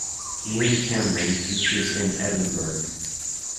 Ian Cameron teaches in Edinburgh.